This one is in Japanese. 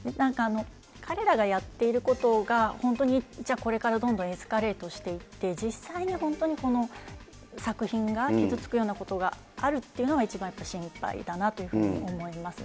彼らがやっていることが本当に、じゃあこれからどんどんエスカレートしていって、実際に本当にこの作品が傷つくようなことがあるということが、一番やっぱり心配だなというふうに思います。